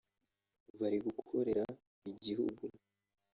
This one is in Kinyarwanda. bari gukorera igihugu